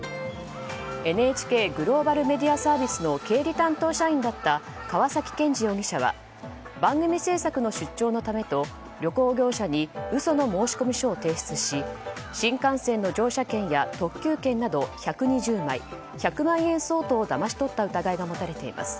ＮＨＫグローバルメディアサービスの経理担当社員だった川崎健治容疑者は番組政策の出張のためと旅行業者に嘘の申込書を提出し、新幹線の乗車券や特急券など１２０枚１００万円相当をだまし取った疑いが持たれています。